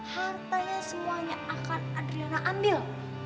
hartanya semuanya akan adriana ambil